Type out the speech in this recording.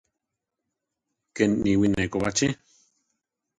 Keni niwí neko bachí.